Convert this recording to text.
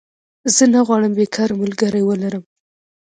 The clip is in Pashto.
زه نه غواړم بيکاره ملګری ولرم